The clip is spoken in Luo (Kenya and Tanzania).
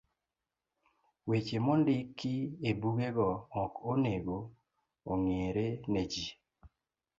Weche mondiki ebugego ok onego ong'ere ne ji